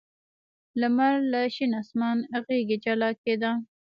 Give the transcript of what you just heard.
لمر له شین اسمان غېږې جلا کېده.